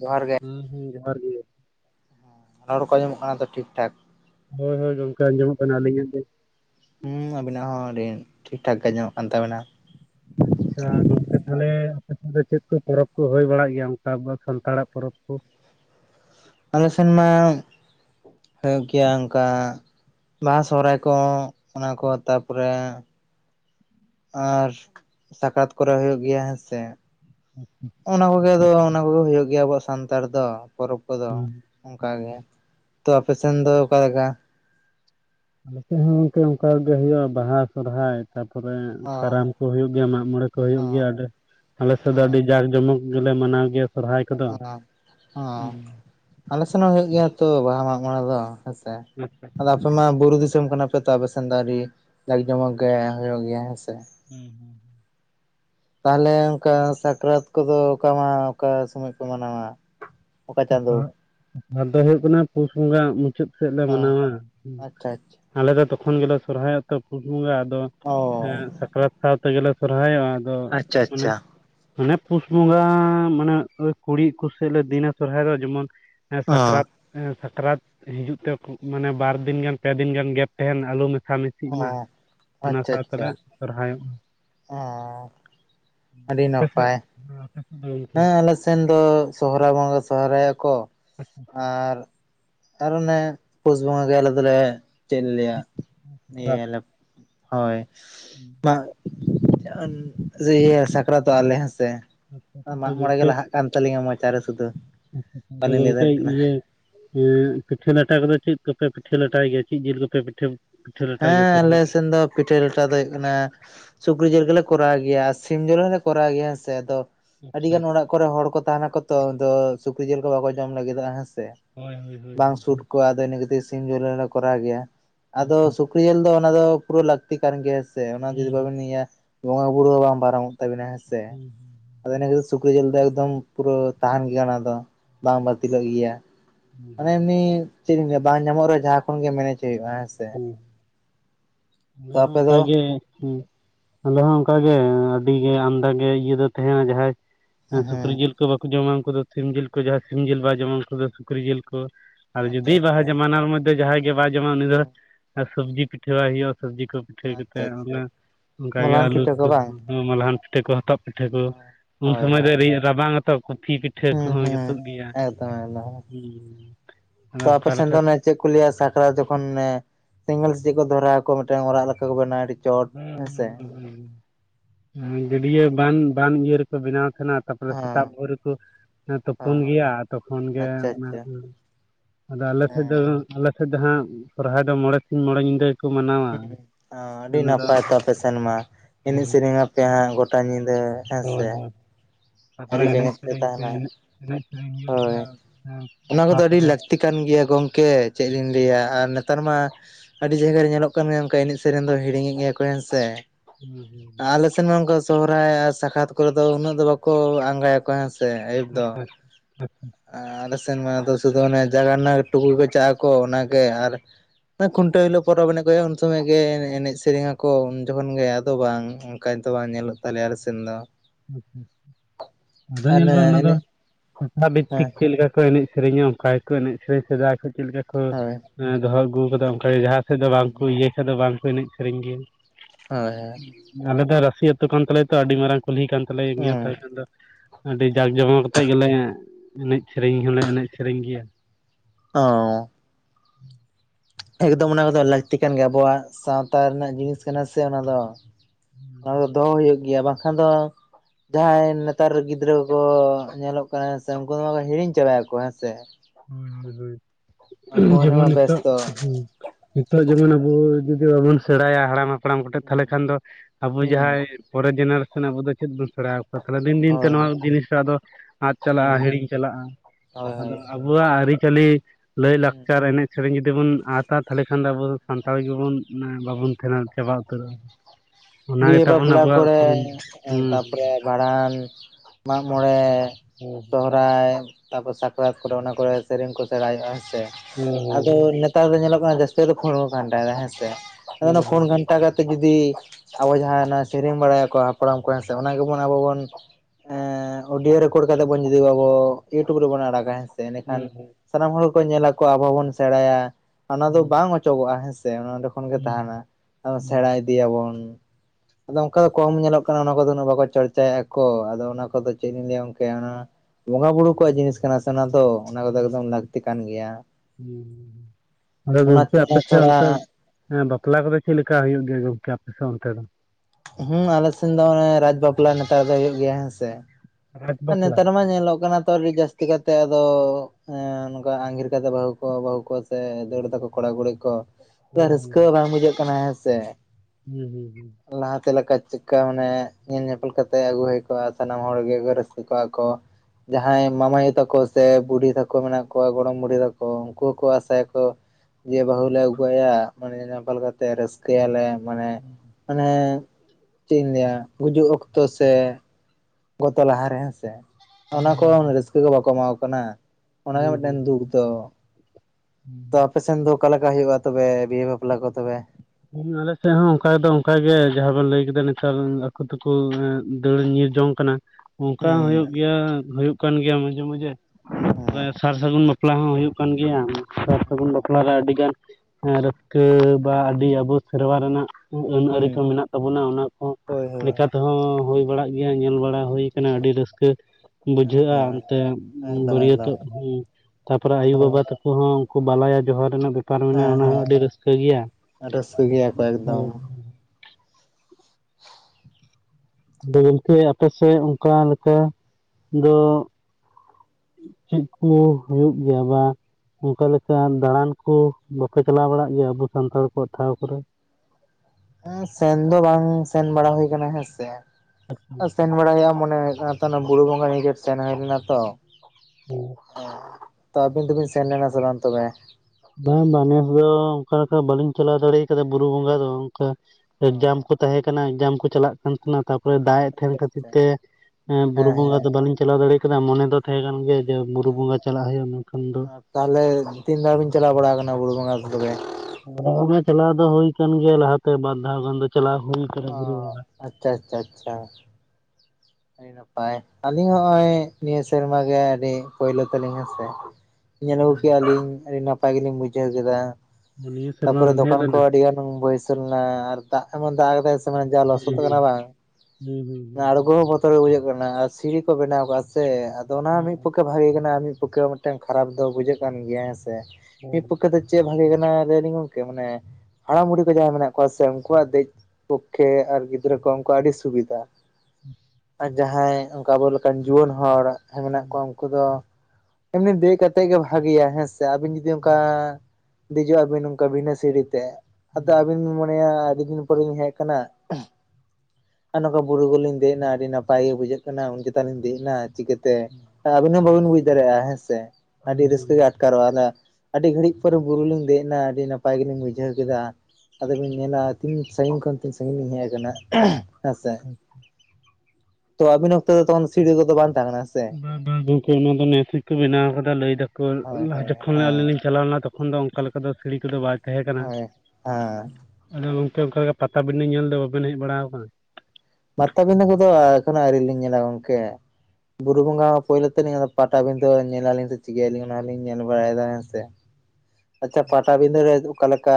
ᱡᱚᱦᱟᱨ ᱜᱮ ᱦᱮᱸ ᱦᱮᱸ ᱡᱚᱦᱟᱨ ᱜᱮ ᱾ ᱦᱚᱲ ᱠᱚ ᱧᱟᱢᱚᱜ ᱠᱟᱱᱟ ᱛᱚ ᱴᱷᱤᱠᱼ ᱴᱷᱟᱠ ᱦᱚᱭ ᱦᱚᱭ ᱜᱚᱢᱠᱮ ᱟᱸᱡᱚᱢᱚᱜ ᱠᱟᱱᱟ ᱟᱹᱞᱤᱧᱟᱜ ᱜᱮᱼᱼ ᱦᱩᱸ ᱟᱵᱤᱱᱟᱜ ᱦᱚᱸ ᱟᱹᱰᱤ ᱴᱷᱤᱠ ᱴᱷᱟᱠ ᱜᱮ ᱟᱸᱡᱚᱢᱚᱜ ᱠᱟᱱ ᱛᱟᱵᱤᱱᱟ ᱾ ᱟᱪᱪᱷᱟ ᱜᱚᱝᱠᱮ ᱛᱟᱦᱞᱮ, ᱟᱯᱮ ᱥᱮᱫ ᱫᱚ ᱪᱮᱫ ᱪᱮᱫ ᱯᱚᱨᱚᱵᱽ ᱠᱚ ᱦᱩᱭ ᱵᱟᱲᱟᱜ ᱜᱮᱭᱟ ᱚᱱᱠᱟ ᱟᱵᱚᱣᱟᱜ ᱥᱟᱱᱛᱟᱲᱟᱜ ᱯᱚᱨᱚᱵᱽ ᱠᱚ ᱾ ᱟᱞᱮ ᱥᱮᱱ ᱢᱟᱼᱼ ᱦᱩᱭᱩᱜ ᱜᱮᱭᱟ ᱚᱱᱠᱟ, ᱵᱟᱦᱟ ᱥᱚᱦᱨᱟᱭ ᱠᱚᱦᱚᱸ ᱚᱱᱟ ᱠᱚ ᱛᱟᱨᱯᱚᱨᱮᱼᱼ ᱟᱨ ᱥᱟᱠᱨᱟᱛ ᱠᱚᱨᱮ ᱦᱩᱭᱩᱜ ᱜᱮᱭᱟ ᱦᱮᱸᱥᱮ ᱾ ᱟᱪᱪᱷᱟ [unintelligible] ᱚᱱᱟ ᱠᱚᱜᱮ ᱫᱚ ᱚᱱᱟ ᱠᱚᱜᱮ ᱦᱩᱭᱩᱜ ᱜᱮᱭᱟ ᱟᱵᱚᱣᱟᱜ ᱥᱟᱱᱛᱟᱲ ᱫᱚ ᱯᱚᱨᱚᱵᱽ ᱠᱚᱫᱚ ᱦᱩᱸ ᱦᱩᱸ ᱚᱱᱠᱟ ᱜᱮ ᱦᱩᱸ ᱾ ᱛᱚ ᱟᱯᱮ ᱥᱮᱱ ᱫᱚ ᱚᱠᱟ ᱞᱮᱠᱟ? ᱱᱚᱛᱮ ᱦᱚᱸ ᱜᱚᱢᱠᱮ ᱚᱱᱠᱟᱜᱮ ᱦᱩᱭᱩᱜᱼᱟ ᱵᱟᱦᱟ ᱥᱚᱨᱦᱟᱭᱼᱼᱼ ᱛᱟᱨᱯᱚᱨᱮ ᱚ ᱠᱟᱨᱟᱢ ᱠᱚ ᱦᱩᱭᱩᱜ ᱜᱮᱭᱟ ᱢᱟᱜ ᱢᱚᱬᱮ ᱠᱚ ᱦᱩᱭᱩᱜ ᱚ ᱜᱮᱭᱟ ᱟᱞᱮ ᱥᱮᱫ ᱫᱚ ᱚ ᱟᱹᱰᱤ ᱡᱟᱸᱠ ᱡᱚᱢᱚᱠ, ᱟᱞᱮ ᱦᱚᱸᱞᱮ ᱢᱟᱱᱟᱣ ᱜᱮᱭᱟ ᱥᱚᱨᱦᱟᱭ ᱾ ᱚ ᱦ [unintelligible] ᱟᱞᱮ ᱥᱮᱱ ᱦᱚᱸᱦᱩᱭᱩᱜ ᱜᱮᱭᱟ ᱛᱚ ᱵᱟᱦᱟ ᱢᱟᱜ ᱢᱚᱬᱮ ᱫᱚ ᱦᱮᱸᱥᱮ ᱾ ᱟᱪᱪᱷᱟ ᱟᱫᱚ ᱟᱯᱮ ᱢᱟ ᱵᱩᱨᱩ ᱫᱤᱥᱚᱢ ᱠᱟᱱᱟ ᱯᱮ ᱛᱚ ᱟᱯᱮ ᱥᱮᱱ ᱫᱚ ᱟᱹᱰᱤ ᱡᱟᱠ ᱡᱚᱢᱚᱠ ᱜᱮ ᱦᱩᱭᱩᱜ ᱜᱮᱭᱟ ᱦᱮᱸ ᱥᱮ ᱾ ᱦᱩᱸ ᱦᱩᱸ ᱛᱟᱦᱞᱮ ᱚᱱᱠᱟ ᱥᱟᱠᱨᱟᱛ ᱠᱚᱫᱚ ᱚᱠᱟ ᱢᱟᱦᱟ ᱚᱠᱟ ᱥᱚᱢᱚᱭ ᱯᱮ ᱢᱟᱱᱟᱣᱟ ᱾ ᱥᱟᱠᱨᱟᱛ ᱫᱚ ᱦᱩᱭᱩᱜ ᱠᱟᱱᱟ ᱯᱩᱥ ᱵᱚᱸᱜᱟ ᱢᱩᱪᱟᱹᱫ ᱥᱮᱫ ᱞᱮ ᱚ ᱢᱟᱱᱟᱣᱟ ᱟᱪᱪᱷᱟ ᱟᱪᱪᱷᱟ ᱾ ᱟᱞᱮ ᱫᱚ ᱛᱚᱠᱷᱚᱱ ᱜᱮᱞᱮ ᱥᱚᱨᱦᱟᱭᱚᱜᱼᱟ ᱛᱚ ᱯᱩᱥ ᱵᱚᱸᱜᱟ ᱟᱫᱚ ᱚ ᱥᱟᱠᱨᱟᱛ ᱥᱟᱶᱛᱮᱜᱮᱞᱮ ᱥᱚᱨᱦᱟᱭᱚᱜ-ᱟ᱾ ᱟᱫᱚ ᱟᱪᱪᱷᱟ ᱚᱱᱮ ᱟᱪᱪᱷᱟ ᱟᱱᱮ ᱯᱩᱥ ᱵᱚᱸᱜᱟ ᱢᱟᱱᱮ ᱠᱩᱲᱤ ᱠᱩ ᱥᱮᱫ ᱞᱮ ᱫᱤᱱᱟ ᱥᱚᱨᱦᱟᱭ ᱫᱚ ᱡᱮᱢᱚᱱ ᱚ ᱥᱟᱠᱨᱟᱛ ᱥᱟᱠᱨᱟᱛ ᱦᱤᱡᱩᱜ ᱛᱮ ᱢᱟᱱᱮ ᱵᱟᱨ ᱫᱤᱱ ᱜᱟᱱ, ᱯᱮ ᱫᱤᱱ ᱜᱟᱱ ᱜᱮᱯ ᱛᱟᱦᱮᱱ ᱟᱞᱩ ᱢᱮᱥᱟ ᱢᱤᱥᱤᱜ ᱚ ᱢᱟ ᱚᱱᱟ ᱥᱟᱶ ᱛᱮᱞᱮ ᱥᱚᱨᱦᱟᱭᱚᱜᱼᱟ᱾ ᱦᱮᱸᱻᱦᱮᱸ ᱟᱨ ᱟᱹᱰᱤ ᱱᱟᱯᱟᱭ ᱪᱮᱫ ᱦᱚᱸ ᱵᱟᱝ ᱟᱸᱡᱚᱢᱚᱜ ᱠᱟᱱᱟ ᱾ ᱦᱮᱸ ᱟᱞᱮ ᱥᱮᱱ ᱫᱚ ᱥᱚᱨᱟᱭ ᱵᱚᱸᱜᱟ ᱥᱚᱦᱨᱟᱭᱚᱜ-ᱟ ᱠᱚ ᱥᱟᱠᱨᱟᱛ ᱟᱨ ᱟᱨ ᱚᱱᱮ ᱯᱩᱥ ᱵᱚᱸᱜᱟ ᱜᱮ ᱟᱞᱮ ᱫᱚᱞᱮ ᱪᱮᱫ ᱟ ᱞᱮᱭᱟ ᱤᱭᱟᱹᱭᱟᱞᱮ ᱦᱚᱭ ᱪᱮᱫ ᱦᱚᱸ ᱵᱟᱝ ᱟᱸᱡᱚᱢᱚᱜ ᱠᱟᱱᱟ ᱾ ᱤᱭᱟᱹ ᱥᱟᱠᱨᱟᱛᱚᱜ ᱟᱞᱮ ᱦᱮᱸᱥᱮ ᱟᱫᱚ ᱢᱟᱜ ᱢᱚᱬᱮ ᱜᱮ ᱜᱚᱝᱠᱮ ᱞᱟᱦᱟᱜ ᱠᱟᱱ ᱛᱟᱹᱞᱤᱧᱟ ᱢᱚᱪᱟᱨᱮ ᱥᱩᱫᱩ ᱟᱫᱚ ᱜᱚᱢᱠᱮ ᱤᱭᱟᱹ ᱯᱤᱴᱷᱟᱹ ᱞᱟᱴᱷᱟ ᱠᱚᱫᱚ ᱪᱮᱫ ᱠᱚᱯᱮ ᱯᱤᱴᱷᱟᱹ ᱞᱟᱴᱷᱟᱭ ᱜᱮᱭᱟ ᱪᱮᱫ ᱡᱤᱞ ᱠᱚᱯᱮ ᱯᱤᱴᱷᱟᱹ ᱯᱤᱴᱷᱟᱹ ᱞᱟᱴᱷᱟᱭ ᱜᱮᱭᱟ ᱦᱮᱸ ᱥᱚᱨᱦᱟᱭ ᱟᱞᱮ ᱠᱚᱨᱮ ᱥᱮᱱ ᱫᱚ ᱯᱤᱴᱷᱟᱹ ᱞᱟᱴᱷᱟ ᱫᱚ ᱦᱩᱭᱩᱜ ᱠᱟᱱᱟ ᱥᱩᱠᱨᱤ ᱡᱤᱞ ᱜᱮᱞᱮ ᱠᱚᱨᱟᱣ ᱜᱮᱭᱟ ᱟᱨ ᱥᱤᱢ ᱡᱤᱞ ᱦᱚᱸᱞᱮ ᱠᱚᱨᱟᱣ ᱜᱮᱭᱟ ᱦᱮᱸ ᱥᱮᱮ ᱟᱫᱚ ᱟᱹᱰᱤ ᱟᱪᱪᱷᱟ ᱜᱟᱱ ᱚᱲᱟᱜ ᱠᱚᱨᱮ ᱦᱚᱲ ᱠᱚ ᱛᱟᱦᱮᱱᱟᱠᱚ ᱛᱚ ᱩᱱ ᱫᱚ ᱥᱩᱠᱨᱤ ᱡᱤᱞ ᱠᱚ ᱵᱟᱠᱚ ᱡᱚᱢ ᱞᱟᱹᱜᱤᱫᱚᱜ-ᱟ ᱦᱮᱸ ᱥᱮ ᱦᱳᱭ ᱦᱳᱭ ᱦᱳᱭ ᱵᱟᱝ ᱥᱩᱴ ᱠᱚᱣᱟ ᱟᱫᱚ ᱤᱱᱟ ᱠᱷᱟᱹᱛᱤᱨ ᱥᱤᱢ ᱡᱤᱞ ᱞᱮ ᱠᱚᱨᱟᱣ ᱜᱮᱭᱟ ᱟᱫᱚ ᱟᱪᱪᱷᱟ ᱥᱩᱠᱨᱤ ᱡᱤᱞ ᱫᱚ ᱚᱱᱟ ᱫᱚ ᱯᱩᱨᱟᱹ ᱞᱟᱹᱠᱛᱤ ᱠᱟᱱ ᱜᱮᱭᱟ ᱥᱮ ᱚᱱᱟ ᱡᱩᱫᱤ ᱦᱮᱸ ᱵᱟᱵᱮᱱ ᱤᱭᱟ ᱵᱚᱸᱜᱟ ᱵᱩᱨᱩ ᱦᱚᱸ ᱵᱟᱝ ᱯᱟᱨᱚᱢᱚᱜᱼᱟ᱾ ᱛᱵᱤᱱᱟ ᱦᱮᱸ ᱥᱮ ᱟᱫᱚ ᱤᱱᱟᱹ ᱠᱷᱟᱹᱛᱤᱨ ᱥᱩᱠᱨᱤ ᱡᱤᱞ ᱫᱚ ᱮᱠᱫᱚᱢ ᱯᱩᱨᱟᱹ ᱛᱟᱦᱮᱱ ᱜᱮ ᱚᱱᱟᱫᱚ ᱫᱟᱢ ᱵᱟᱲᱛᱤᱜ ᱞᱟᱹᱜᱤᱫ ᱜᱮᱭᱟ ᱦᱮᱸ ᱢᱟᱱᱮ ᱦᱮᱸ ᱩᱱᱤ ᱪᱮᱫ ᱤᱧ ᱞᱟᱹᱭᱟ ᱵᱟᱝ ᱧᱟᱢᱚᱜ ᱨᱮᱦᱚᱸ ᱡᱟᱦᱟᱸ ᱠᱷᱚᱱ ᱜᱮ ᱢᱮᱱᱮᱡ ᱦᱩᱭᱩᱜᱼᱟ ᱦᱮᱸᱥᱮ ᱟᱞᱮ ᱦᱚᱸ ᱟᱯᱮ ᱫᱚ ᱚᱱᱠᱟᱜᱮ ᱦᱮᱸ ᱟᱞᱮ ᱦᱚᱸ ᱚᱱᱠᱟ ᱜᱮ ᱟᱹᱰᱤ ᱜᱮ ᱟᱢᱫᱟ ᱜᱮ ᱤᱭᱟᱹ ᱫᱚ ᱛᱟᱦᱮᱱᱟ ᱡᱟᱦᱟᱸᱭ ᱮᱸ ᱦᱮᱸ ᱥᱩᱠᱨᱤ ᱡᱤᱞ ᱠᱚ ᱵᱟᱠᱚ ᱡᱚᱢᱟ ᱩᱱᱠᱩ ᱫᱚ ᱥᱤᱢ ᱡᱤᱞ ᱠᱚ ᱡᱟᱦᱟᱸᱭ ᱥᱤᱢ ᱡᱤᱞ ᱵᱟᱭ ᱡᱚᱢᱟ ᱩᱱᱠᱩ ᱫᱚ ᱥᱩᱠᱨᱤ ᱡᱤᱞ ᱠᱚ ᱟᱨ ᱟᱪᱪᱷᱟ ᱡᱩᱫᱤ ᱱᱟᱦᱟᱜ ᱟᱪᱪᱟ ᱡᱟᱢᱟᱱᱟ ᱨᱮ ᱵᱟᱱᱟᱨ ᱢᱚᱫᱽᱫᱷᱮ ᱡᱟᱦᱟᱸᱭ ᱜᱮ ᱵᱟᱭ ᱡᱚᱢᱟ ᱩᱱᱤ ᱫᱚ ᱦᱮᱸ ᱟᱨ ᱥᱚᱵᱽᱡᱤ ᱯᱤᱴᱷᱟᱹ ᱟᱭ ᱦᱩᱭᱩᱜᱼᱟ ᱥᱚᱵᱽᱡᱤ ᱠᱚ ᱯᱤᱴᱷᱟᱹ ᱟᱪᱪᱷᱟ ᱠᱟᱛᱮᱜ ᱟᱪᱪᱷᱟ ᱚᱱᱟ ᱚᱱᱠᱟᱱᱟᱜ ᱜᱮ ᱢᱚᱞᱟᱱ ᱟᱹᱞᱩ ᱯᱤᱴᱷᱟᱹ ᱠᱚ ᱵᱟᱝ ᱢᱟᱞᱦᱟᱱ ᱯᱤᱴᱷᱟᱹ ᱠᱚᱦᱚᱸᱛᱚ ᱯᱤᱴᱷᱟᱹ ᱠᱚ ᱩᱱ ᱦᱳᱭ ᱥᱚᱢᱚᱭ ᱫᱚ ᱦᱳᱭ ᱨᱟᱵᱟᱝ ᱟᱛᱚ ᱠᱚᱯᱷᱤ ᱯᱤᱴᱷᱟᱹ ᱠᱚᱦᱚᱸ ᱡᱩᱛᱩᱜ ᱜᱮᱭᱟ᱾ ᱮᱠᱫᱚᱢ-ᱮᱠᱫᱚᱢ ᱦᱩᱸ ᱟᱫᱚ ᱚᱱᱠᱟ ᱞᱮᱠᱟ ᱚᱱᱮ ᱪᱮᱫ ᱠᱚ ᱞᱟᱹᱭᱟ ᱥᱟᱠᱨᱟᱛ ᱡᱚᱠᱷᱚᱱ ᱥᱮᱸᱜᱮᱞ ᱥᱮ ᱪᱮᱫ ᱠᱚ ᱫᱷᱚᱨᱟ ᱟᱠᱚ ᱢᱤᱫᱴᱟᱝ ᱚᱲᱟᱜ ᱞᱮᱠᱟ ᱠᱚ ᱵᱮᱱᱟᱣᱟ ᱪᱚᱴ ᱦᱮᱸ ᱥᱮ ᱦᱩᱸ-ᱦᱩᱸ, ᱦᱩᱸ ᱜᱟᱹᱰᱭᱟᱹ ᱵᱟᱱ-ᱵᱟᱱ ᱤᱭᱟᱹ ᱨᱮᱠᱚ ᱵᱮᱱᱟᱣ ᱛᱟᱦᱮᱱᱟ ᱛᱟᱯᱚᱨᱮ ᱥᱮᱛᱟᱜ ᱦᱮᱸ ᱵᱷᱳᱨ ᱨᱮᱠᱚ ᱦᱮᱸ ᱛᱩᱯᱩᱱ ᱜᱮᱭᱟ ᱛᱚᱠᱷᱚᱱ ᱜᱮ ᱟᱪᱪᱷᱟ ᱚᱱᱟ ᱟᱪᱪᱷᱟ ᱟᱫᱚ ᱟᱞᱮ ᱥᱮᱫ ᱫᱚ ᱦᱮᱸ ᱟᱞᱮ ᱥᱮᱫ ᱫᱚᱦᱟᱸᱜ ᱥᱚᱨᱦᱟᱭ ᱫᱚ ᱢᱚᱬᱮ ᱥᱤᱧ ᱢᱚᱬᱮ ᱧᱤᱫᱟᱹ ᱜᱮᱠᱚ ᱢᱟᱱᱟᱣᱟ᱾ ᱦᱩᱸ ᱟᱹᱰᱤ ᱚᱱᱟ ᱫᱚ ᱱᱟᱯᱟᱭ ᱛᱚ ᱟᱯᱮ ᱥᱮᱱᱢᱟ ᱮᱱᱮᱡ-ᱥᱮᱨᱮᱧ ᱟᱯᱮ ᱦᱟᱸᱜ ᱜᱚᱴᱟ ᱧᱤᱫᱟᱹ ᱦᱮᱸ ᱥᱮ ᱦᱚᱭ-ᱦᱚᱭ ᱛᱟᱨᱯᱚᱨᱮ ᱟᱹᱰᱤ ᱮᱱᱮᱡ ᱵᱮᱸᱜᱮᱫ ᱯᱮ ᱥᱮᱨᱮᱧ ᱛᱮ ᱛᱟᱦᱮᱱᱟ ᱮᱱᱮᱡ ᱥᱮᱨᱮᱧ ᱦᱩᱭᱩᱜ ᱦᱳᱭ ᱜᱮᱭᱟ ᱦᱮᱸ ᱚᱱᱟ ᱠᱚᱫᱚ ᱟᱹᱰᱤ ᱞᱟᱹᱠᱛᱤ ᱠᱟᱱ ᱜᱮᱭᱟ ᱜᱚᱝᱠᱮ ᱪᱮᱫ ᱞᱤᱧ ᱦᱩᱸ ᱞᱟᱹᱭᱟ ᱟᱨ ᱱᱮᱛᱟᱨ ᱢᱟ ᱟᱹᱰᱤ ᱡᱟᱭᱜᱟ ᱨᱮ ᱧᱮᱞᱚᱜ ᱠᱟᱱ ᱜᱮ ᱚᱱᱠᱟ ᱮᱱᱮᱡ- ᱥᱮᱨᱮᱧ ᱫᱚ ᱦᱤᱲᱤᱧᱮᱫ ᱜᱮᱭᱟ ᱠᱚ ᱦᱮᱸ ᱥᱮ ᱦᱩᱸ-ᱦᱩᱸ ᱥᱮ ᱱᱚᱝᱠᱟ ᱥᱚᱦᱨᱟᱭ ᱟᱨ ᱥᱟᱠᱷᱟᱛ ᱠᱚᱨᱮ ᱫᱚ ᱩᱱᱟᱹᱜ ᱫᱚ ᱵᱟᱠᱚ ᱟᱸᱜᱟᱭᱟᱠᱚ ᱦᱮᱸᱥᱮ ᱟᱹᱭᱩᱵ ᱫᱚ ᱟᱪᱪᱷᱟ ᱟᱪᱪᱷᱟ ᱟᱪᱪᱷᱟ ᱟᱞᱮ ᱥᱮᱱ ᱢᱮ ᱥᱩᱫᱩ ᱚᱱᱮ ᱡᱟᱜᱟᱱᱟ ᱨᱮᱱᱟᱜ ᱴᱩᱠᱩ ᱠᱚ ᱪᱟᱞᱟᱜ ᱟᱠᱚ ᱚᱱᱟᱜᱮ ᱟᱨ ᱠᱷᱩᱱᱴᱟᱹᱣ ᱦᱤᱞᱚᱜ ᱯᱚᱨᱚᱵᱽ ᱮᱱᱮᱡᱚᱜ ᱦᱩᱭᱩᱜᱼᱟ ᱩᱱ ᱥᱚᱢᱚᱭ ᱜᱮ ᱮᱱᱮᱡ ᱥᱮᱨᱮᱧᱟᱠᱚ ᱩᱱ ᱡᱚᱠᱷᱚᱱ ᱜᱮ ᱟᱫᱚ ᱵᱟᱝ ᱚᱱᱠᱟ ᱛᱚ ᱵᱟᱝ ᱧᱮᱞᱚᱜ ᱛᱟᱞᱮᱭᱟ ᱟᱞᱮ ᱥᱮᱱ ᱫᱚ ᱟᱪᱷᱟ-ᱟᱪᱷᱟ ᱟᱫᱚ ᱟᱨ ᱧᱮᱞ ᱚᱱᱮ ᱢᱮ ᱚᱱᱟ ᱫᱚ ᱮᱱᱮᱡ ᱴᱚᱴᱷᱟ ᱦᱮᱸ ᱵᱷᱤᱫᱴᱷᱤᱠ ᱪᱮᱫ ᱞᱮᱠᱟ ᱠᱚ ᱮᱱᱮᱡ ᱥᱮᱨᱮᱧᱟ ᱚᱱᱠᱟ ᱜᱮᱠᱚ ᱮᱱᱮᱡ ᱥᱮᱨᱮᱧ ᱥᱮᱫᱟᱭ ᱠᱷᱚᱱ ᱪᱮᱫ ᱞᱮᱠᱟ ᱠᱚ ᱦᱳᱭ ᱫᱚᱦᱚ ᱟᱹᱜᱩᱠᱟᱫᱟ ᱚᱱᱠᱟᱜᱮ ᱡᱟᱦᱟᱸ ᱥᱮᱫ ᱫᱚ ᱵᱟᱝᱠᱚ ᱤᱭᱟᱹ ᱠᱷᱟᱡ ᱫᱚ ᱵᱟᱝᱠᱚ ᱮᱱᱮᱡ ᱥᱮᱨᱮᱧ ᱜᱮᱭᱟ᱾ ᱦᱚᱭ-ᱦᱚᱭ ᱟᱞᱮ ᱫᱚ ᱨᱟᱹᱥᱤ ᱟᱹᱛᱩ ᱠᱟᱱ ᱛᱟᱞᱮᱭᱟ ᱛᱚ, ᱟᱹᱰᱤ ᱢᱟᱨᱟᱝ ᱠᱩᱞᱦᱤ ᱠᱟᱱ ᱛᱟᱞᱮ ᱜᱮᱭᱟ ᱦᱳᱭ ᱛᱟᱦᱚᱞᱮ ᱠᱷᱟᱱ ᱫᱚ ᱟᱹᱰᱤ ᱡᱟᱠ ᱡᱚᱢᱚᱠ ᱠᱟᱛᱮ ᱜᱮᱞᱮ ᱮᱱᱮᱡ ᱥᱮᱨᱮᱧ ᱦᱚᱸᱞᱮ ᱮᱱᱮᱡ ᱥᱮᱨᱮᱧ ᱜᱮᱭᱟ᱾ ᱚ ᱮᱠᱫᱚᱢ ᱚᱱᱟ ᱠᱚᱫᱚ ᱞᱟᱹᱠᱛᱤ ᱠᱟᱱ ᱜᱮᱭᱟ ᱟᱵᱚᱣᱟᱜ ᱥᱟᱶᱛᱟ ᱨᱮᱱᱟᱜ ᱡᱤᱱᱤᱥ ᱠᱟᱱᱟ ᱥᱮ ᱚᱱᱟ ᱫᱚ᱾ ᱟᱨ ᱫᱚ ᱫᱚᱦᱚ ᱦᱩᱭᱩᱜ ᱜᱮᱭᱟ ᱵᱟᱝᱠᱷᱟᱱ ᱫᱚ ᱡᱟᱦᱟᱸᱭ ᱱᱮᱛᱟᱨ ᱜᱤᱫᱽᱨᱟᱹ ᱠᱚ ᱧᱮᱞᱚᱜ ᱠᱟᱱᱟ ᱦᱮᱸᱥᱮ ᱩᱱᱠᱩ ᱢᱟᱠᱚ ᱦᱤᱲᱤᱧ ᱪᱟᱵᱟᱭᱟ ᱠᱚ ᱦᱮᱸᱥᱮ᱾ ᱦᱚᱭ ᱦᱚᱭ ᱦᱚᱭ ᱯᱷᱳᱱ ᱡᱮᱢᱚᱱ ᱨᱮᱢᱟ ᱱᱤᱛᱚᱜ ᱵᱮᱥᱛᱚ ᱦᱩᱸ ᱱᱤᱛᱚᱜ ᱡᱮᱢᱚᱱ ᱟᱵᱚ ᱡᱩᱫᱤ ᱵᱟᱵᱚᱱ ᱥᱮᱲᱟᱭᱟ ᱦᱟᱲᱟᱢ ᱦᱟᱯᱲᱟᱢ ᱠᱟᱛᱮᱫ ᱛᱟᱦᱚᱞᱮ ᱠᱷᱟᱱ ᱫᱚ ᱟᱵᱚ ᱦᱩᱸ ᱡᱟᱦᱟᱸᱭ ᱯᱚᱨᱮ ᱡᱮᱱᱟᱨᱮᱥᱚᱱ ᱟᱵᱚ ᱫᱚ ᱪᱮᱫ ᱵᱚᱱ ᱥᱮᱬᱟ ᱛᱟᱦᱚᱞᱮ ᱫᱤᱱ ᱫᱤᱱ ᱛᱮ ᱦᱳᱭ ᱱᱚᱣᱟ ᱡᱤᱱᱤᱥ ᱟᱫᱚ ᱟᱫᱽ ᱪᱟᱞᱟᱜ-ᱟ, ᱦᱩᱸ ᱦᱤᱲᱤᱧ ᱪᱟᱞᱟᱜ-ᱟ᱾ ᱦᱳᱭ ᱦᱳᱭ ᱟᱫᱚ ᱟᱵᱚᱣᱟᱜ ᱟᱹᱨᱤᱪᱟᱹᱞᱤ ᱞᱟᱹᱭ ᱦᱩᱸ ᱞᱟᱠᱪᱟᱨ ᱮᱱᱮᱡ ᱥᱮᱨᱮᱧ ᱡᱩᱫᱤ ᱵᱚᱱ ᱟᱛᱟ ᱛᱟᱦᱚᱞᱮ ᱠᱷᱟᱱ ᱫᱚ ᱟᱵᱚ ᱫᱚ ᱥᱟᱱᱛᱟᱲ ᱜᱮᱵᱚᱱ ᱵᱟᱵᱚᱱ ᱛᱟᱦᱮᱸᱱᱟ ᱪᱟᱵᱟᱜ ᱵᱤᱭᱟᱹ ᱵᱟᱯᱞᱟ ᱟᱵᱚᱣᱟᱜ ᱠᱚᱨᱮ ᱩᱯᱨᱩᱢ ᱛᱟᱯᱚᱨᱮ ᱵᱷᱟᱬᱟᱱ ᱢᱟᱜᱢᱚᱬᱮ ᱥᱚᱦᱨᱟᱭ ᱛᱟᱯᱚᱨ ᱥᱟᱠᱨᱟᱛ ᱠᱚᱨᱮ ᱚᱱᱟ ᱠᱚᱨᱮ ᱥᱮᱨᱮᱧ ᱠᱚ ᱥᱮᱬᱟᱭᱚᱜ-ᱟ ᱦᱮᱸᱥᱮ᱾ ᱫᱚ ᱦᱩᱸ ᱟᱫᱚ ᱱᱮ ᱱᱮᱛᱟᱨ ᱫᱚ ᱧᱮᱞᱚᱜ ᱠᱟᱱᱟ ᱡᱟᱹᱥᱛᱤ ᱫᱚ ᱯᱷᱳᱱ ᱠᱚ ᱜᱷᱟᱱᱴᱟᱭᱮᱫᱟ ᱦᱮᱸᱥᱮ᱾ ᱟᱫᱚ ᱚᱱᱟ ᱯᱷᱳᱱ ᱦᱩᱸ ᱜᱷᱟᱱᱴ ᱴᱟ ᱠᱟᱛᱮ ᱡᱩᱫᱤ ᱟᱵᱚ ᱡᱟᱦᱟᱸᱱᱟᱜ ᱥᱮᱨᱮᱧ ᱵᱟᱲᱟᱭᱟᱠᱚ ᱦᱟᱯᱲᱟᱢ ᱠᱚ ᱦᱮᱸᱥᱮ᱾ ᱚᱱᱟ ᱜᱮᱵᱚᱱ ᱟᱵᱚ ᱵᱚᱱ ᱦᱮᱸ ᱚᱰᱤᱭᱳ ᱨᱮᱠᱚᱨᱰ ᱠᱟᱛᱮ ᱵᱚᱱ ᱡᱩᱫᱤᱵᱚ ᱤᱭᱩᱴᱩᱵᱽ ᱨᱮᱵᱚᱱ ᱟᱲᱟᱜᱟ᱾ ᱮᱸᱰᱮᱠᱷᱟᱱ ᱦᱩᱸ ᱥᱟᱱᱟᱢ ᱦᱚᱲ ᱠᱚ ᱧᱮᱞᱟᱠᱚ ᱟᱵᱚ ᱵᱚᱱ ᱥᱮᱬᱟᱭᱟ ᱚᱱᱟ ᱫᱚ ᱦᱩᱸ ᱦᱩᱸ ᱵᱟᱝ ᱢᱚᱸᱡᱽ ᱛᱮ᱾ ᱚᱪᱚᱜᱚᱜ-ᱟ ᱦᱮᱸᱥᱮ ᱚᱸᱰᱮ ᱠᱷᱚᱱ ᱜᱮ ᱛᱟᱦᱮᱸᱱᱟ ᱟᱫᱚ ᱦᱩᱸ ᱦᱩᱸ ᱥᱮᱬᱟ ᱤᱫᱤᱭᱟᱵᱚᱱ᱾ ᱟᱫᱚ ᱚᱱᱠᱟ ᱫᱚ ᱠᱚᱢ ᱧᱮᱞᱚᱜ ᱠᱟᱱᱟ᱾ ᱚᱱᱟ ᱠᱚᱫᱚ ᱩᱱᱟᱹᱜ ᱵᱟᱠᱚ ᱪᱚᱨᱪᱟᱭᱟ ᱠᱚ᱾ ᱟᱫᱚ ᱚᱱᱟ ᱠᱚᱫᱚ ᱪᱮᱫ ᱤᱧ ᱞᱟᱹᱭᱟ ᱜᱚᱝᱠᱮ᱾ ᱵᱚᱸᱜᱟ ᱵᱩᱨᱩ ᱠᱚᱣᱟᱜ ᱡᱤᱱᱤᱥ ᱠᱟᱱᱟ ᱥᱮ ᱚᱱᱟ ᱫᱚ᱾ ᱚᱱᱟ ᱠᱚᱫᱚ ᱮᱠᱫᱚᱢ ᱞᱟᱹᱠᱛᱤ ᱠᱟᱱ ᱜᱮᱭᱟ᱾ ᱦᱩᱸ ᱦᱩᱸ ᱦᱩᱸ ᱦᱩᱸ ᱦᱩᱸ ᱦᱩᱸ ᱚᱱᱟ ᱪᱷᱟᱲᱟ ᱪᱷᱟᱲᱟ ᱦᱮᱸ ᱵᱟᱯᱞᱟ ᱠᱚᱫᱚ ᱪᱮᱫ ᱞᱮᱠᱟ ᱦᱩᱭᱩᱜ ᱜᱮᱭᱟ ᱜᱚᱝᱠᱮ ᱟᱯᱮ ᱥᱮᱜ ᱚᱱᱛᱮ ᱫᱚ? ᱦᱮᱸ ᱟᱞᱮ ᱥᱮᱱ ᱫᱚ ᱚᱱᱮ ᱨᱟᱡᱽ ᱵᱟᱯᱞᱟ ᱱᱮᱛᱟᱨ ᱫᱚ ᱦᱩᱭᱩᱜ ᱜᱮᱭᱟ ᱦᱮᱸᱥᱮ᱾ ᱨᱟᱡᱽ ᱟᱨ ᱵᱟᱯᱞᱟ ᱱᱮᱛᱟᱨ ᱢᱟ ᱧᱮᱞᱚᱜ ᱠᱟᱱᱟ ᱛᱚ ᱟᱹᱰᱤ ᱡᱟᱹᱥᱛᱤ ᱠᱟᱛᱮᱜ ᱟᱫᱚ ᱦᱮᱸ ᱱᱚᱝᱠᱟ ᱟᱸᱜᱤᱨ ᱠᱟᱛᱮ ᱵᱟᱹᱦᱩ ᱠᱚ ᱵᱟᱹᱦᱩ ᱠᱚ ᱟᱛᱮᱜ ᱫᱟᱹᱲ ᱫᱟᱠᱚ ᱠᱚᱲᱟ ᱠᱩᱲᱤ ᱠᱚ᱾ ᱨᱟᱹᱥᱠᱟᱹ ᱦᱩᱸ ᱦᱩᱸ ᱨᱟᱹᱥᱠᱟᱹ ᱵᱟᱝ ᱵᱩᱡᱷᱟᱹᱜ ᱠᱟᱱᱟ ᱦᱮᱸᱥᱮ᱾ ᱦᱩᱸ ᱦᱩᱸ ᱦᱩᱸ ᱞᱟᱦᱟ ᱛᱮ ᱞᱮᱠᱟ ᱪᱮᱫ ᱞᱮᱠᱟ ᱢᱟᱱᱮ ᱧᱮᱞ ᱧᱮᱯᱮᱞ ᱠᱟᱛᱮ ᱟᱹᱜᱩ ᱦᱩᱭ ᱠᱚᱜ-ᱟ ᱥᱟᱱᱟᱢ ᱦᱚᱲ ᱜᱮᱠᱚ ᱨᱟᱹᱥᱠᱟᱹ ᱠᱚᱣᱟ ᱠᱚ ᱡᱟᱦᱟᱸᱭ ᱢᱟᱢᱟᱭᱳ ᱛᱟᱠᱚ ᱥᱮ ᱵᱩᱰᱷᱤ ᱛᱟᱠᱚ ᱠᱚ ᱢᱮᱱᱟᱜ ᱠᱚᱣᱟ ᱜᱚᱲᱚᱢ ᱵᱩᱲᱦᱤ ᱛᱟᱠᱚ ᱩᱱᱠᱩ ᱦᱚᱸ ᱠᱚ ᱟᱥᱟᱭ ᱟᱠᱚ ᱡᱮ ᱵᱟᱹᱦᱩ ᱞᱮ ᱟᱹᱜᱩ ᱠᱚᱣᱟᱭᱟ ᱧᱮᱞ ᱧᱮᱯᱮᱞ ᱠᱟᱛᱮ ᱨᱟᱹᱥ ᱠᱟᱹᱭ ᱟᱞᱮ ᱢᱟᱱᱮ ᱟᱱᱮ ᱪᱮᱫ ᱤᱧ ᱞᱟᱹᱭᱟ ᱜᱩᱡᱩᱜ ᱚᱠᱛᱚ ᱥᱮ ᱜᱚᱛᱚ ᱞᱟᱦᱟᱨᱮ ᱦᱮᱸᱥᱮ ᱚᱱᱟ ᱠᱚ ᱦᱩᱸ ᱦᱩᱸ ᱨᱟᱹᱥᱠᱟᱹ ᱜᱮ ᱵᱟᱠᱚ ᱮᱢᱟ ᱠᱚ ᱠᱟᱱᱟ᱾ ᱦᱩᱸ ᱚᱱᱟ ᱜᱮ ᱦᱩᱸ ᱢᱤᱫᱴᱮᱱ ᱦᱩᱸ ᱫᱩᱠ ᱛᱚ, ᱛᱚ ᱟᱯᱮᱥᱮᱱ ᱫᱚ ᱚᱠᱟ ᱞᱮᱠᱟ ᱦᱩᱭᱩᱜ-ᱟ ᱛᱚᱵᱮ ᱵᱤᱦᱟᱹ ᱵᱟᱯᱞᱟ ᱠᱚ ᱛᱚᱵᱮ? ᱟᱞᱮ ᱥᱮᱜ ᱦᱚᱸ ᱚᱱᱠᱟ ᱫᱚ ᱚᱱᱠᱟ ᱜᱮ, ᱡᱟᱦᱟᱸ ᱵᱮᱱ ᱞᱟᱹᱭ ᱠᱮᱫᱟ ᱱᱮᱛᱟᱨ ᱫᱚ ᱟᱠᱩ ᱛᱮᱠᱚ ᱫᱟᱹᱲ ᱧᱤᱨ ᱡᱚᱝ ᱠᱟᱱᱟ᱾ ᱚᱱᱠᱟ ᱦᱚᱸ ᱦᱩᱸ ᱦᱩᱭᱩᱜ ᱜᱮᱭᱟ, ᱦᱩᱭᱩᱜ ᱠᱟᱱ ᱜᱮᱭᱟ ᱢᱟᱡᱷᱮ ᱢᱟᱡᱷᱮ᱾ [inaudible] ᱟᱨ ᱥᱟᱨ ᱥᱟᱹᱜᱩᱱ ᱵᱟᱯᱞᱟ ᱦᱚᱸ ᱦᱩᱭᱩᱜ ᱠᱟᱱ ᱜᱮᱭᱟ᱾ ᱥᱟᱨ ᱥᱟᱹᱜᱩᱱ ᱵᱟᱯᱞᱟ ᱨᱮ ᱟᱹᱰᱤᱜᱟᱱ ᱨᱟᱹᱥᱠᱟᱹ ᱵᱟ ᱟᱹᱰᱤ ᱟᱵᱚ ᱥᱮᱨᱣᱟ ᱨᱮᱱᱟᱜ ᱟᱹᱱ ᱟᱹᱨᱤ ᱦᱩᱸ ᱠᱚ ᱢᱮᱱᱟᱜ ᱛᱟᱵᱚᱱᱟ ᱚᱱᱟ ᱠᱚ ᱦᱳᱭ ᱞᱮᱠᱟ ᱦᱳᱭ ᱛᱮᱦᱚᱸ ᱦᱩᱭ ᱵᱟᱲᱟᱜ ᱜᱮᱭᱟ ᱧᱮᱞ ᱵᱟᱲᱟ ᱦᱩᱭ ᱠᱟᱱᱟ ᱟᱹᱰᱤ ᱨᱟᱹᱥᱠᱟᱹ ᱵᱩᱡᱷᱟᱹᱜ-ᱟ ᱦᱮᱸ ᱚᱱᱛᱮ ᱮᱠᱫᱚᱢ ᱵᱟᱹᱨᱭᱟᱹᱛᱚᱜ ᱮᱠᱫᱚᱢ ᱛᱟᱯᱚᱨᱮ ᱟᱭᱩ ᱵᱟᱵᱟ ᱛᱟᱠᱚ ᱦᱚᱸ ᱩᱱᱠᱩ ᱵᱟᱞᱟᱭᱟ ᱡᱚᱦᱟᱨ ᱨᱮᱱᱟᱜ ᱵᱮᱯᱟᱨ ᱢᱮᱱᱟᱜᱼᱟ, ᱦᱮᱸ ᱚᱱᱟ ᱦᱚᱸ ᱟᱹᱰᱤ ᱦᱮᱸ ᱨᱟᱹᱥᱠᱟᱹ ᱜᱮᱭᱟ᱾ ᱨᱟᱹᱥᱠᱟᱹ ᱜᱮᱭᱟ ᱠᱚ ᱮᱠᱫᱚᱢ᱾ ᱦᱮᱸ ᱜᱚᱝᱠᱮ ᱟᱯᱮ ᱥᱮᱫ ᱚᱱᱠᱟ ᱞᱮᱠᱟ ᱫᱚ ᱪᱮᱫ ᱠᱚ ᱦᱩᱭᱩᱜ ᱜᱮᱭᱟ ᱵᱟ ᱚᱱᱠᱟ ᱞᱮᱠᱟ ᱫᱟᱬᱟᱱ ᱠᱚ ᱵᱟᱯᱮ ᱪᱟᱞᱟᱣ ᱵᱟᱲᱟᱜ ᱜᱮᱭᱟ ᱟᱵᱚ ᱥᱟᱱᱛᱟᱲ ᱠᱚ ᱴᱷᱟᱶ ᱠᱚᱨᱮ᱾ ᱦᱮᱸ ᱥᱮᱱ ᱫᱚ ᱵᱟᱝ ᱥᱮᱱ ᱵᱟᱲᱟ ᱦᱩᱭ ᱠᱟᱱᱟ ᱦᱮᱸ ᱥᱮ᱾ ᱟᱪᱷᱟ᱾ ᱥᱮᱱ ᱵᱟᱲᱟᱭ ᱦᱩᱭᱩᱜᱼᱟ ᱢᱚᱱᱮ ᱦᱩᱭᱩᱜ ᱠᱟᱱᱟ ᱛᱚ ᱚᱱᱟ ᱵᱩᱨᱩ ᱵᱚᱸᱜᱟ ᱱᱤᱡᱮ ᱥᱮᱱ ᱦᱩᱭ ᱞᱮᱱᱟ ᱛᱚ᱾ ᱛᱚ ᱟᱹᱵᱤᱱ ᱫᱚᱵᱤᱱ ᱥᱮᱱ ᱞᱮᱱᱟ ᱥᱮ ᱵᱟᱝ ᱛᱚᱵᱮ? ᱵᱟᱝ-ᱵᱟᱝ ᱱᱮᱥ ᱫᱚ ᱚᱱᱠᱟ ᱞᱮᱠᱟ ᱵᱟᱹᱞᱤᱧ ᱪᱟᱞᱟᱣ ᱫᱟᱲᱮ ᱟᱠᱟᱫᱟ ᱵᱩᱨᱩ ᱵᱚᱸᱜᱟ ᱫᱚ᱾ ᱮᱠᱡᱟᱢ ᱠᱚ ᱛᱟᱦᱮᱸ ᱠᱟᱱᱟ ᱮᱠᱡᱟᱢ ᱠᱚ ᱪᱟᱞᱟᱜ ᱠᱟᱱ ᱛᱟᱦᱮᱱᱟ ᱛᱟᱯᱚᱨᱮ ᱫᱟᱜ ᱮᱫ ᱛᱟᱦᱮᱱ ᱟᱪᱪᱷᱟ ᱠᱷᱟᱹᱛᱤᱨ ᱟᱪᱪᱷᱟ ᱛᱮ ᱵᱩᱨᱩ ᱦᱮᱸ ᱵᱚᱸᱜᱟ ᱫᱚ ᱦᱮᱸ ᱵᱟᱞᱤᱧ ᱪᱟᱞᱟᱣ ᱫᱟᱲᱮ ᱟᱠᱟᱫᱟ ᱢᱚᱱᱮ ᱫᱚ ᱛᱟᱦᱮᱸ ᱠᱟᱱ ᱜᱮᱭᱟ᱾ ᱡᱮ ᱵᱩᱨᱩ ᱵᱚᱸᱜᱟ ᱪᱟᱞᱟᱜ ᱦᱩᱭᱩᱜᱼᱟ ᱢᱮᱱᱠᱷᱟᱱ ᱫᱚ ᱟᱨ ᱛᱟᱦᱚᱞᱮ ᱛᱤᱱ ᱫᱷᱟᱣ ᱵᱤᱱ ᱪᱟᱞᱟᱣ ᱵᱟᱲᱟ ᱟᱠᱟᱱᱟ ᱵᱩᱨᱩ ᱵᱚᱸᱜᱟ ᱠᱚ ᱛᱚᱵᱮ? ᱪᱟᱞᱟᱣ ᱫᱚ ᱦᱩᱭ ᱠᱟᱱ ᱜᱮᱭᱟ ᱞᱟᱦᱟᱛᱮ ᱵᱟᱨ ᱫᱷᱟᱣ ᱜᱟᱱ ᱫᱚ ᱪᱟᱞᱟᱣ ᱦᱩᱭ ᱠᱟᱱᱟ ᱚ ᱵᱩᱨᱩ ᱵᱚᱸᱜᱟ᱾ ᱟᱪᱷᱟ, ᱟᱪᱷᱟ-ᱟᱪᱷᱟ᱾ ᱟᱹᱰᱤ ᱱᱟᱯᱟᱭ᱾ ᱟᱹᱞᱤᱧ ᱦᱚᱸᱜᱼᱚᱭ ᱱᱤᱭᱟᱹ ᱥᱮᱨᱢᱟ ᱜᱮ ᱟᱹᱰᱤ ᱯᱚᱭᱞᱚ ᱛᱟᱹᱞᱤᱧ ᱦᱮᱸ ᱥᱮ ᱾ ᱧᱮᱞ ᱟᱹᱜᱩ ᱠᱮᱜᱼᱟ ᱞᱤᱧ ᱟᱹᱰᱤ ᱱᱟᱯᱟᱭ ᱜᱮᱞᱤᱧ ᱵᱩᱡᱷᱟᱹᱣ ᱠᱮᱫᱟ᱾ ᱱᱤᱭᱟᱹ ᱥᱮᱨᱢᱟ ᱛᱟᱯᱚᱨᱮ ᱵᱮᱱ ᱦᱮᱡ ᱫᱚᱠᱟᱱ ᱠᱚ ᱞᱮᱱᱟ? ᱟᱹᱰᱤ ᱜᱟᱱ ᱵᱚᱭ ᱞᱮᱱᱟ ᱟᱨ ᱫᱟᱜ ᱮᱢᱚᱱ ᱫᱟᱜ ᱠᱮᱫᱟᱭ ᱥᱮ ᱡᱟ ᱞᱚᱥᱚᱫ ᱟᱠᱟᱱᱟ ᱵᱟᱝ ᱟᱬᱜᱚ ᱦᱚᱸ ᱵᱚᱛ ᱵᱚᱛᱚᱨ ᱵᱩᱡᱷᱟᱹᱜ ᱠᱟᱱᱟ ᱟᱨ ᱥᱤᱲᱤ ᱠᱚ ᱵᱮᱱᱟᱣ ᱠᱟᱜᱼᱟ ᱥᱮ ᱟᱫᱚ ᱚᱱᱟ ᱢᱤᱫ ᱯᱚᱠᱷᱮ ᱵᱷᱟᱜᱮ ᱠᱟᱱᱟ ᱟᱨ ᱢᱤᱫ ᱯᱚᱠᱷᱮ ᱢᱤᱫᱴᱟᱝ ᱠᱷᱟᱨᱟᱯ ᱫᱚ ᱵᱩᱡᱷᱟᱹᱜ ᱠᱟᱱ ᱜᱮᱭᱟ ᱦᱮᱸ ᱥᱮ, ᱢᱤᱫ ᱯᱚᱠᱷᱮ ᱫᱚ ᱪᱮᱫ ᱵᱷᱟᱜᱮ ᱠᱟᱱᱟ ᱞᱟᱹᱭ ᱞᱤᱧ ᱜᱚᱢᱠᱮ ᱢᱟᱱᱮ ᱦᱟᱲᱟᱢ ᱵᱩᱰᱦᱤ ᱠᱚ ᱡᱟᱦᱟᱸᱭ ᱢᱮᱱᱟᱜ ᱠᱚᱣᱟ ᱥᱮ ᱩᱱᱠᱩᱣᱟᱜ ᱫᱮᱡ ᱯᱚᱠᱷᱮ ᱟᱨ ᱜᱤᱫᱽᱨᱟᱹ ᱠᱚ ᱩᱱᱠᱩᱣᱟᱜ ᱟᱹᱰᱤ ᱥᱩᱵᱤᱫᱷᱟ᱾ ᱟᱨ ᱡᱟᱦᱟᱸᱭ ᱚᱱᱠᱟ ᱟᱵᱚ ᱞᱮᱠᱟᱱ ᱡᱩᱣᱟᱹᱱ ᱦᱚᱲ ᱢᱮᱱᱟᱜ ᱠᱚᱣᱟ ᱩᱱᱠᱩ ᱫᱚ ᱮᱢᱱᱤ ᱫᱮᱡ ᱠᱟᱛᱮᱫ ᱜᱮ ᱵᱷᱟᱜᱮᱤᱭᱟ ᱦᱮᱸ ᱥᱮ ᱟᱹᱵᱤᱱ ᱡᱩᱫᱤ ᱚᱱᱠᱟ ᱫᱮᱡᱚᱜ ᱟᱵᱤᱱ ᱚᱱᱠᱟ ᱵᱤᱱᱟᱹ ᱥᱤᱨᱤᱛᱮ, ᱟᱫᱚ ᱟᱹᱵᱤᱱ ᱵᱤᱱ ᱢᱚᱱᱮᱭᱟ ᱟᱹᱰᱤ ᱫᱤᱱ ᱠᱷᱚᱤᱧ ᱦᱮᱡ ᱟᱠᱟᱱᱟ, ᱟᱨ ᱱᱚᱝᱠᱟ ᱵᱩᱨᱩ ᱠᱚᱞᱤᱧ ᱫᱮᱡ ᱮᱱᱟ ᱟᱹᱰᱤ ᱱᱟᱯ ᱱᱟᱯᱟᱭ ᱜᱮ ᱵᱩᱡᱷᱟᱹᱜ ᱠᱟᱱᱟ ᱩᱱᱟ. ᱪᱮᱛᱟᱱ ᱤᱧ ᱫᱮᱡ ᱮᱱᱟ ᱪᱤᱠᱟᱹᱛᱮ ᱟᱹᱵᱤᱱ ᱦᱚᱸ ᱵᱟᱹᱵᱤᱱ ᱵᱩᱡᱽ ᱫᱟᱲᱮᱭᱟᱜᱼᱟ ᱦᱮᱸ ᱥᱮ ᱦᱩᱸ, ᱟᱹᱰᱤ ᱨᱟᱹᱥᱠᱟᱹ ᱜᱮ ᱦᱩᱸ, ᱦᱩᱸ, ᱟᱨ ᱨᱚᱼᱟ ᱫᱚ, ᱟᱹᱰᱤ ᱜᱷᱟᱹᱲᱤᱡ ᱯᱚᱨᱮ ᱵᱩᱨᱩ ᱞᱤᱧ ᱫᱮᱡ ᱮᱱᱟ ᱟᱹᱰᱤ ᱱᱟᱯᱟᱭ ᱜᱮᱞᱤᱧ ᱵᱩᱡᱷᱟᱹᱣ ᱠᱮᱫᱟ ᱟᱫᱚ ᱵᱤᱱ ᱧᱮᱞᱟ ᱛᱤᱱ ᱥᱟᱺᱜᱤᱧ ᱠᱷᱚᱱ ᱛᱤᱱ ᱥᱟᱺᱜᱤᱧ ᱞᱤᱧ ᱦᱮᱡ ᱟᱠᱟᱱᱟ ᱦᱮᱸ ᱥᱮ᱾ ᱟᱪᱷᱟ᱾ ᱛᱚ ᱟᱵᱤᱱ ᱚᱠᱛᱚ ᱫᱚ ᱛᱚᱠᱷᱚᱱ ᱥᱤᱲᱤ ᱠᱚ ᱫᱚ ᱵᱟᱝ ᱛᱟᱦᱮᱸ ᱠᱟᱱᱟ ᱥᱮ ᱵᱟᱝ-ᱵᱟᱝ ᱜᱚᱝᱠᱮ ᱚᱱᱟ ᱫᱚ ᱱᱮᱥ ᱜᱮ ᱠᱚ ᱵᱮᱱᱟᱣ ᱟᱠᱟᱫᱟ ᱞᱟᱹᱭ ᱮᱫᱟᱠᱚ ᱦᱳᱭ ᱞᱟᱦᱟ ᱦᱳᱭ ᱡᱚᱠᱷᱚᱱ ᱦᱮᱸ ᱟᱞᱤᱧ ᱪᱟᱞᱟᱣ ᱞᱮᱱᱟ ᱛᱚᱠᱷᱚᱱ ᱫᱚ ᱚᱱᱠᱟ ᱞᱮᱠᱟ ᱫᱚ ᱥᱤᱲᱤ ᱠᱚᱫᱚ ᱵᱟᱭ ᱛᱟᱦᱮᱸ ᱠᱟᱱᱟ᱾ ᱦᱳᱭ ᱦᱮᱸ ᱟᱫᱚ ᱜᱚᱝᱠᱮ ᱚᱱᱠᱟ ᱜᱮ ᱯᱟᱛᱟ ᱵᱤᱱᱰᱟ. ᱧᱮᱞ ᱫᱚ ᱵᱟᱵᱮᱱ ᱦᱮᱡ ᱵᱟᱲᱟ ᱟᱠᱟᱱ? ᱯᱟᱛᱟ ᱵᱤᱸᱫᱟᱹ ᱠᱚᱫᱚ ᱮᱠᱷᱚᱱᱳ ᱟᱹᱣᱨᱤ ᱞᱤᱧ ᱧᱮᱞᱟ ᱜᱚᱝᱠᱮ᱾ ᱵᱩᱨᱩ ᱵᱚᱸᱜᱟ ᱯᱩᱭᱞᱚ ᱛᱮᱞᱤᱧ ᱯᱟᱴᱟᱵᱤᱱᱷᱟᱹ ᱧᱮᱞ ᱞᱟᱞᱤᱧ ᱪᱤᱠᱟᱹᱭ ᱟᱞᱤᱧ ᱚᱱᱟᱞᱤᱧ ᱧᱮᱞ ᱵᱟᱲᱟᱭᱮᱫᱟ ᱦᱮᱸ ᱥᱮ᱾ ᱟᱪᱷᱟ ᱯᱟᱴᱟᱵᱤᱫᱟᱹ ᱨᱮ ᱚᱠᱟ ᱞᱮᱠᱟ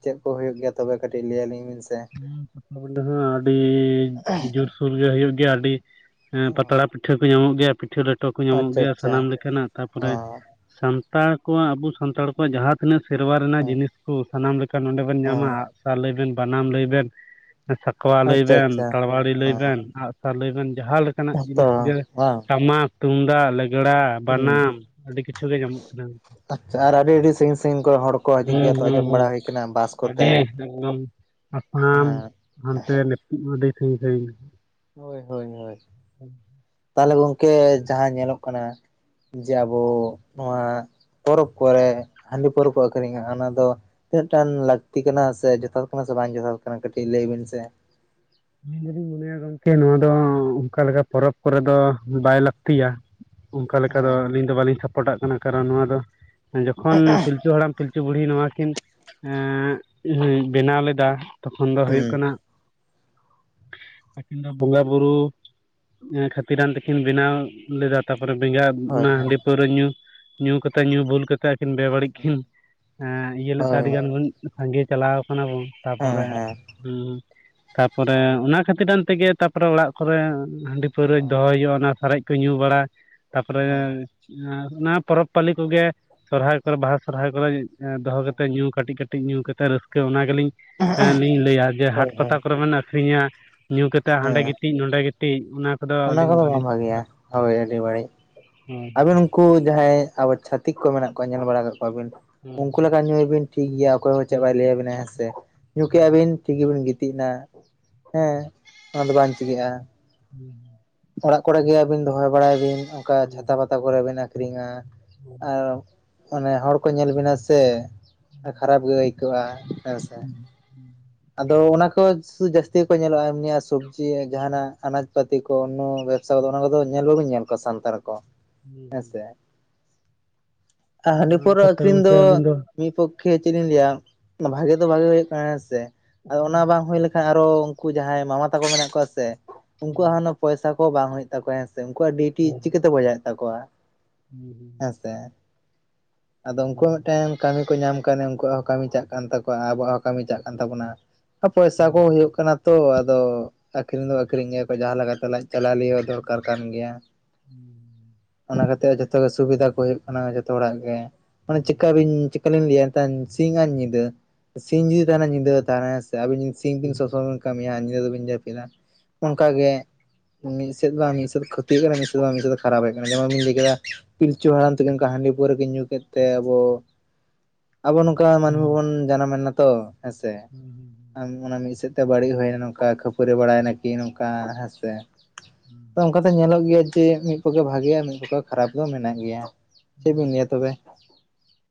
ᱪᱮᱫ ᱠᱚ ᱦᱩᱭᱩᱜ ᱜᱮᱭᱟ ᱛᱚᱵᱮ ᱠᱟᱹᱴᱤᱡ ᱞᱟᱹᱭ ᱟᱞᱤᱧ ᱵᱤᱱ? ᱥᱮ ᱦᱮᱸ ᱯᱟᱛᱟᱵᱤᱰᱟᱹ ᱦᱚᱸ ᱟᱹᱰᱤ ᱡᱚᱨᱥᱚᱨ ᱜᱮ ᱦᱩᱭᱩᱜ ᱜᱮᱭᱟ ᱟᱹᱰᱤ ᱦᱮᱸ ᱚ ᱯᱟᱛᱲᱟ ᱯᱤᱴᱷᱟᱹ ᱠᱚ ᱧᱟᱢᱚᱜ ᱜᱮᱭᱟ ᱯᱤᱴᱷᱟᱹ ᱞᱮᱴᱚ ᱠᱚ ᱧᱟᱢᱚᱜ ᱟᱪᱪᱷᱟ ᱜᱮᱭᱟ ᱟᱪᱪᱷᱟ ᱥᱟᱱᱟᱢ ᱞᱮᱠᱟᱱᱟᱜ ᱛᱟᱨᱯᱚᱨᱮ ᱚ ᱥᱟᱱᱛᱟᱲ ᱠᱚᱣᱟᱜ ᱟᱵᱚ ᱥᱟᱱᱛᱟᱲ ᱠᱚᱣᱟᱜ ᱡᱟᱦᱟᱸ ᱩᱱᱟᱹ ᱥᱮᱨᱣᱟ ᱨᱮᱱᱟᱜ ᱦᱮᱸ ᱡᱤᱱᱤᱥ ᱠᱚ ᱥᱟᱱᱟᱢ ᱞᱮᱠᱟ ᱱᱚᱰᱮ ᱵᱚᱱ ᱦᱮᱸ ᱧᱟᱢᱟ ᱟᱜ ᱞᱟᱹᱭ ᱵᱮᱱ ᱵᱟ ᱥᱟᱱᱟᱢ ᱞᱟᱹᱭ ᱵᱮᱱ ᱥᱟᱠᱣᱟ ᱞᱟᱹᱭ ᱟᱪᱪᱷᱟ ᱵᱮᱱ ᱟᱪᱪᱷᱟ ᱛᱟᱲᱣᱟᱲᱤ ᱞᱟᱹᱭ ᱚ ᱵᱮᱱ ᱟᱜᱥᱟᱨ ᱞᱟᱹᱭ ᱵᱮᱱ ᱡᱟᱦᱟᱸ ᱞᱮᱠᱟ ᱞᱮᱠᱟᱱᱟᱜ ᱦᱮᱸᱛᱚ ᱡᱤᱱᱤᱥ ᱡᱮ ᱵᱟᱝ ᱴᱟᱢᱟᱠ ᱛᱩᱢᱫᱟᱜ ᱞᱮᱜᱽᱲᱟ ᱦᱩᱸ ᱵᱟᱱᱟᱢ ᱟᱹᱰᱤ ᱠᱤᱪᱷᱩ ᱜᱮ ᱧᱟᱢᱚᱜ ᱠᱟᱱᱟ᱾ ᱟᱪᱷᱟ ᱟᱨ ᱟᱹᱰᱤ-ᱟ. ᱰᱤ ᱥᱟᱜᱤᱧ-ᱥᱟᱹᱜᱤᱧ ᱠᱚᱨᱮ ᱦᱚᱲ ᱠᱚ ᱦᱤᱡᱩᱜ ᱦᱩᱸ, ᱜᱮᱭᱟ ᱛᱚ ᱟᱸᱡᱚᱢ ᱦᱩᱸ-ᱦᱩᱸ, ᱵᱟᱲᱟ ᱦᱩᱭ ᱟᱠᱟᱱᱟ ᱵᱟᱥ ᱠᱚᱛᱮ ᱟᱰᱮ ᱮᱠᱫᱚᱢ ᱾ ᱦᱟᱯᱲᱟᱢ ᱦᱮᱸ ᱦᱟᱱᱛᱮ ᱱᱤᱛ ᱢᱟ ᱟᱹᱰᱤ ᱥᱟᱺᱜᱤᱧ-ᱥᱟᱟᱹᱜᱤᱧ ᱦᱳᱭ, ᱦᱳᱭ-ᱦᱳᱭ᱾ ᱦᱮᱸ᱾ ᱛᱟᱦᱚᱞᱮ ᱜᱚᱝᱠᱮ ᱡᱟᱦᱟᱸ ᱧᱮᱞᱚᱜ ᱠᱟᱱᱟ ᱡᱮ ᱟᱵᱚ ᱱᱚᱣᱟ ᱯᱚᱨᱚᱵᱽ ᱠᱚᱨᱮ ᱦᱟᱸᱰᱤ, ᱯᱟᱹᱣᱨᱟᱹ ᱠᱚ ᱟᱹᱠᱷᱨᱤᱧᱟ ᱚᱱᱟ ᱫᱚ ᱛᱤᱱᱟᱹᱜ ᱴᱟᱱ ᱞᱟᱹᱠᱛᱤ ᱠᱟᱱᱟ ᱥᱮ ᱡᱚᱛᱷᱟᱛ ᱠᱟᱱᱟ ᱥᱮ ᱵᱟᱝ ᱡᱚᱛᱷᱟᱛ ᱠᱟᱱᱟ ᱠᱟᱹᱴᱤᱡ ᱞᱟᱹᱭ ᱵᱤᱱ ᱥᱮ? ᱟᱤᱧ ᱫᱚᱞᱤᱧ ᱢᱚᱱᱮᱭᱟ ᱜᱚᱝᱠᱮ ᱱᱚᱣᱟ ᱫᱚ ᱚᱱᱠᱟ ᱞᱮᱠᱟ ᱯᱚᱨᱚᱵᱽ ᱠᱚᱨᱮ ᱫᱚ ᱵᱟᱭ ᱞᱠᱛᱤ ᱛᱤᱭᱟ ᱚᱝᱠᱟ ᱞᱮᱠᱟ ᱫᱚ ᱦᱮᱸ ᱟᱹᱞᱤᱧ ᱫᱚ ᱵᱟᱞᱤᱧ ᱥᱟᱯᱚᱴᱟᱜ ᱠᱟᱱᱟ, ᱠᱟᱨᱚᱱ ᱱᱚᱣᱟ ᱫᱚ ᱡᱚᱠᱷᱚᱱ ᱯᱤᱞᱪᱩ ᱦᱟᱲᱟᱢ, ᱯᱤᱞᱪᱩ ᱵᱩᱲᱦᱤ ᱱᱚᱣᱟ ᱠᱤᱱ ᱮᱸ ᱩᱸ ᱵᱮᱱᱟᱣ ᱞᱮᱫᱟ, ᱛᱚᱠᱷᱚᱱ ᱫᱚ ᱦᱩᱭᱩᱜ ᱦᱩᱸ ᱠᱟᱱᱟ, ᱟᱠᱤᱱ ᱫᱚ ᱵᱚᱸᱜᱟ ᱵᱩᱨᱩ ᱮᱸ ᱠᱷᱟᱹᱛᱤᱨᱟᱱ ᱛᱮᱠᱤᱱ ᱵᱮᱱᱟᱣ ᱞᱮᱫᱟ᱾ ᱛᱟᱨᱯᱚᱨᱮ ᱵᱮᱸᱜᱟ [unintelligible] ᱦᱳᱭ ᱚᱱᱟ ᱦᱮᱸ ᱦᱟᱸᱰᱤ, ᱯᱟᱹᱣᱨᱟᱹ ᱧᱩ, ᱧᱩ ᱠᱟᱛᱮ, ᱧᱩ ᱵᱷᱩᱞ ᱠᱟᱛᱮ ᱠᱤᱱ ᱵᱮᱵᱟᱹᱲᱤᱡ ᱠᱤᱱ ᱮᱸ ᱤᱭᱟᱹ ᱞᱮᱫ ᱛᱮ, ᱦᱳᱭ ᱟᱰᱤ ᱜᱟᱱ ᱵᱚᱱ ᱥᱟᱸᱜᱮ ᱪᱟᱞᱟᱣ ᱠᱟᱱᱟ ᱵᱚᱱ, ᱦᱮᱸ ᱛᱟᱯᱚᱨᱮ ᱦᱮᱸ ᱩᱸ ᱦᱳᱭ ᱛᱟᱯᱚᱨᱮ ᱚᱱᱟ ᱠᱷᱟᱹᱛᱤᱨᱟᱱ ᱛᱮᱜᱮ ᱛᱟᱯᱚᱨᱮ ᱚᱲᱟᱜ ᱠᱚᱨᱮ ᱮᱸ ᱦᱟᱸᱰᱤ, ᱦᱮᱸ ᱯᱟᱹᱣᱨᱟᱹ ᱫᱚᱣᱚᱭ ᱭᱩᱜᱼᱟ, ᱚᱱᱟ ᱥᱟᱨᱮᱡ ᱠᱚ ᱧᱩ ᱵᱟᱲᱟ, ᱛᱟᱯᱚᱨᱮ ᱦᱮᱸ ᱟᱸ ᱚᱱᱟ ᱯᱚᱨᱚᱵᱽ ᱯᱟᱞᱤ ᱠᱚᱜᱮ ᱥᱚᱨᱦᱟᱭ ᱠᱚᱨᱮ, ᱵᱟᱦᱟ-ᱥᱚᱦᱨᱟᱭ ᱠᱚᱨᱮ ᱮᱸ ᱫᱚᱦᱚ ᱦᱮᱸ ᱠᱟᱛᱮᱜ ᱧᱩ ᱠᱟᱴᱤᱡ ᱠᱟ- -ᱤᱡ ᱧᱩ ᱠᱟᱛᱮ ᱨᱟᱹᱥᱠᱟᱹ ᱚᱱᱟ ᱜᱮᱞᱤᱧ ᱮᱸ ᱞᱤᱧ ᱞᱟᱹᱭᱟ ᱡᱮ, ᱦᱟᱴ ᱦᱳᱭ ᱦᱳᱭ ᱯᱟᱛᱟ ᱠᱚᱨᱮ ᱵᱚᱱ ᱟᱹᱠᱷᱨᱤᱧᱟ, ᱧᱩ ᱠᱟᱛᱮᱜ ᱦᱟᱸᱰᱮ ᱦᱮᱸ ᱜᱤᱛᱤᱡ ᱱᱚᱰᱮ ᱜᱤᱛᱤᱡ ᱚᱱᱟ ᱠᱚᱫᱚ ᱚᱱᱟ ᱟᱹᱞᱤᱧ ᱵᱟᱝ ᱵᱟᱞᱤᱧ ᱵᱷᱟᱜᱮᱭᱟ ᱥᱟᱯᱚᱴᱟᱜ-ᱟ ᱦᱳᱭ [inaudible] ᱟᱹᱰᱤ ᱵᱟᱹᱲᱤᱡ ᱟᱵᱤᱱ ᱩᱱᱠᱩ ᱡᱟᱦᱟᱸᱭ ᱟᱵᱚ ᱪᱷᱟᱛᱤᱠ ᱠᱚ ᱢᱮᱱᱟᱜ ᱠᱚᱣᱟ, ᱧᱮᱞ ᱵᱟᱲᱟ ᱠᱟᱜ ᱠᱚᱣᱟ ᱵᱤᱱ! ᱩᱱᱠᱩ ᱞᱮᱠᱟ ᱧᱩᱭ ᱵᱤᱱ᱾ ᱴᱷᱤᱠ ᱜᱮᱭᱟ ᱚᱠᱚᱭ ᱦᱚ ᱪᱮᱜ ᱵᱟᱭ ᱞᱟᱹᱭᱟᱹᱵᱤᱱᱟ, ᱦᱮᱸᱥᱮ ᱧᱩ ᱠᱮᱜᱼᱟ ᱵᱤᱱ ᱴᱷᱤᱠ ᱜᱮ ᱵᱤᱱ ᱜᱤᱛᱤᱡ ᱮᱱᱟ ᱦᱮᱸᱻ ᱚᱱᱟ ᱫᱚ ᱵᱟᱝ ᱪᱤᱠᱟᱹᱜᱼᱟ, ᱦᱮᱸ [inaudible] ᱚᱲᱟᱜ ᱠᱚᱲᱮ ᱜᱮ ᱟᱵᱤᱱ ᱫᱚᱦᱚᱭ ᱵᱟᱲᱟᱭ ᱵᱤᱱ, ᱚᱱᱠᱟ ᱪᱷᱟᱛᱟ ᱦᱳᱭ ᱯᱟᱛᱟ ᱠᱚᱨᱮ ᱵᱮᱱ ᱟᱠᱷᱨᱤᱝᱟ᱾ ᱦᱳᱭ ᱟᱨ ᱟᱱᱮ ᱦᱚᱲ ᱠᱚ ᱧᱮᱞ ᱵᱮᱱᱟ ᱥᱮ ᱠᱷᱟᱨᱟᱯ ᱜᱮ ᱟᱹᱭᱠᱟᱹᱣᱜᱼᱟ᱾ ᱮᱸ ᱥᱮ, ᱟᱫᱚ ᱚᱱᱟ ᱠᱚ ᱥᱩᱫᱩ ᱡᱟᱹᱥᱛᱤ ᱠᱚ ᱧᱮᱞᱚᱜᱼᱟ, ᱮᱢᱱᱤ ᱟ ᱥᱚᱵᱽᱡᱤ ᱮ ᱡᱟᱦᱟᱱᱟᱜ ᱟᱱᱟᱡᱽ ᱯᱟᱹᱛᱤ ᱠᱚ, ᱠᱳᱱᱳ ᱵᱮᱵᱽᱥᱟ ᱠᱚ ᱫᱚ, ᱚᱱᱟ ᱠᱚ ᱫᱚ ᱧᱮᱞ [unintelligible] ᱵᱟᱵᱤᱧ [unintelligible] ᱧᱮᱞ ᱠᱚᱣᱟ ᱥᱟᱱᱛᱟᱲ, ᱠᱚ ᱦᱩᱸ ᱦᱩᱸ [inaudible] ᱟ ᱦᱟᱸᱰᱤ, ᱯᱟᱹᱣᱨᱟᱹ ᱞᱮᱠᱟᱛᱮ ᱟᱹᱠᱷᱨᱤᱱ ᱜᱚᱝᱠᱮ ᱫᱚ ᱟᱹᱞᱤᱧ ᱢᱤᱜ ᱯᱚᱠᱠᱷᱮ ᱪᱮᱫ ᱞᱤᱧ ᱞᱟᱹᱭᱟ, [unintelligible] ᱵᱷᱟᱜᱮ ᱫᱚ ᱵᱷᱟᱜᱮ ᱦᱩᱭᱩᱜ ᱠᱟᱱᱟ᱾ ᱦᱮᱸ ᱥᱮ, ᱟᱫᱚ ᱚᱱᱟ ᱵᱟᱝ ᱦᱩᱭ ᱞᱮ ᱦᱮᱸ ᱟᱨᱚ ᱩᱝᱠᱩ ᱡᱟᱦᱟᱸᱭ ᱢᱟᱢᱟ ᱛᱟᱠᱚ ᱢᱮᱱᱟᱜ ᱠᱚᱣᱟ ᱥᱮ ᱩᱝᱠᱩᱣᱟᱜ ᱦᱚᱸ, ᱱᱚ ᱯᱚᱭᱥᱟ ᱠᱚ ᱵᱟᱝ ᱦᱩᱭᱩᱜ ᱛᱟᱠᱚᱣᱟ ᱦᱮᱸᱥ ᱛᱮ ᱩᱝᱠᱩᱣᱟᱜ ᱰᱤᱭᱩᱴᱤ ᱪᱤᱠᱟᱹᱛᱮ ᱵᱚᱡᱟᱣᱮᱫ ᱛᱟᱠᱚᱣᱟ? ᱦᱩᱸ ᱦᱩᱸ [inaudible] ᱦᱮᱸᱥᱮ ᱟᱫᱚ ᱩᱝᱠᱩᱣᱟᱜ ᱢᱮᱜᱴᱮᱱ ᱠᱟᱢᱤ ᱠᱚ ᱧᱟᱢ ᱠᱟᱣᱱᱮ, ᱩᱝᱠᱩᱣᱟᱜ ᱦᱚ ᱠᱟᱢᱤ ᱪᱟᱜ ᱠᱟᱱ ᱛᱟᱠᱚᱣᱟ ᱟ ᱟᱵᱚᱣᱟᱜ ᱦᱚ ᱠᱟᱢᱤ ᱪᱟᱜ ᱠᱟᱱ ᱛᱟᱵᱳᱱᱟ, ᱟ ᱯᱚᱭᱥᱟ ᱠᱚ ᱦᱩᱭᱩᱜ ᱠᱟᱱᱟ ᱛᱚ, ᱟᱫᱚ ᱟᱠᱷᱨᱤᱝ ᱫᱚ ᱟᱠᱷᱨᱤᱝ ᱜᱮᱭᱟᱠᱚ ᱡᱟᱦᱟ ᱞᱮᱠᱟ [unintelligible] ᱛᱟᱦᱞᱮ [inaudible] ᱟᱡ ᱪᱟᱞᱟᱣ [unintelligible] ᱞᱮ ᱦᱚᱸ ᱫᱚᱨᱠᱟᱨ ᱠᱟᱱ ᱜᱮᱭᱟ, ᱦᱩᱸ [inaudible] ᱱᱟ ᱠᱟᱛᱮ ᱡᱚᱛᱚ ᱜᱮ ᱥᱩᱵᱤᱫᱟ ᱠᱚ ᱦᱩᱭᱩᱜ ᱠᱟᱱᱟ, ᱡᱚᱛᱚ ᱦᱚᱲᱟᱜ ᱜᱮ, ᱢᱟᱱᱮ ᱪᱮᱠᱠᱟᱵᱤᱱ [unintelligible] ᱥᱤᱝ ᱟ ᱧᱤᱫᱟᱹ, ᱥᱤᱧ ᱡᱩᱫᱤ ᱛᱟᱦᱮᱱᱟ ᱧᱤᱫᱟᱹ [unintelligible] [unintelligible] ᱚᱝᱠᱟ ᱜᱮᱸ, ᱢᱤᱫᱥᱮᱫ ᱵᱟᱝ ᱢᱤᱫᱥᱮᱫ ᱠᱷᱚᱛᱤ ᱦᱩᱭᱩᱜ ᱼᱟ, [inaudible] ᱯᱤᱞᱪᱩ ᱦᱟᱲᱟᱢ ᱛᱤᱠᱤᱱ [unintelligible] ᱯᱟᱹᱣᱨᱟᱹ ᱠᱤᱱ ᱧᱩ ᱠᱮᱫ ᱛᱮ, ᱟᱵᱚ ᱟᱵᱚ ᱱᱚᱝ- -ᱠᱟ ᱢᱟᱱᱢᱤ ᱵᱚᱱ ᱡᱟᱱᱟᱢᱮ‍ᱱᱟ ᱛᱚ ᱦᱮᱸᱥᱮ, ᱟᱢ ᱚᱱᱟ ᱢᱤᱫ ᱥᱮᱫ ᱛᱮ ᱵᱟᱲᱤᱡ ᱦᱩᱭᱱᱟ ᱱᱚᱝᱠᱟ, ᱠᱷᱟᱹᱯᱟᱹᱨᱤ ᱵᱟᱲᱟᱭᱱᱟᱠᱤᱱ ᱱᱚᱝᱠᱟ ᱦᱮᱸ ᱥᱮ᱾ ᱦᱩᱸ, ᱚᱝᱠᱟ ᱫᱚ ᱧᱮᱞᱚᱜ ᱜᱮᱭᱟ ᱡᱮ ᱢᱤᱫ ᱯᱚᱠᱠᱷᱮ ᱵᱷᱟᱜᱮᱭᱟ, ᱢᱤᱫ ᱯᱚᱠᱠᱷᱮ ᱠᱷᱟᱨᱟᱯ ᱫᱚ ᱢᱮᱱᱟᱜ ᱜᱮᱭᱟ, ᱪᱮ ᱵᱤᱱ ᱞᱟᱹᱭᱟ ᱛᱚᱵᱮ!